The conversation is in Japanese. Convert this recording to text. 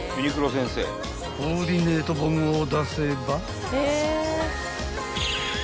［コーディネート本を出せば］